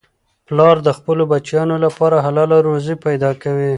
پلار د خپلو بچیانو لپاره حلاله روزي پیدا کوي.